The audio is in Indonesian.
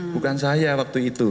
bukan saya waktu itu